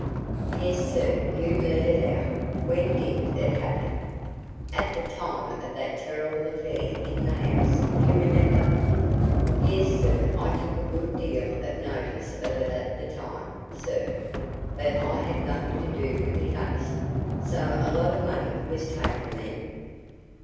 "Yes, sir, you let it out. When did it happen?" "At the time of that terrible affair in the house. You remember?" "Yes, sir, I took a good deal of notice of it at the time, sir; but I had nothing to do with the case. So a lot of money was taken, then?"